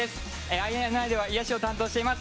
ＩＮＩでは癒やしを担当しています。